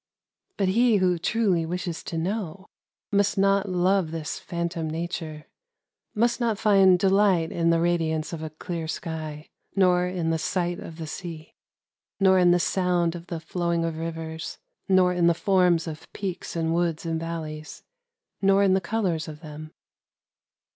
" But he who truly wishes to know, must not love this phantom Nature, — must not find de light in the radiance of a clear sky, — nor in the sight of the sea, — nor in the sound of the flowing of rivers, — nor in the forms of peaks and woods and valleys, — nor in the colors of them.